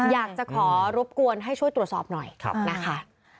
อยากจะขอรบกวนให้ช่วยตรวจสอบหน่อยนะคะ